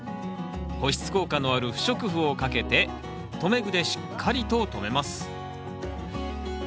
保湿効果のある不織布をかけて留め具でしっかりと留めます。